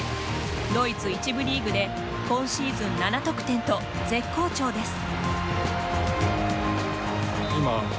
ドイツ１部リーグで今シーズン７得点と絶好調です。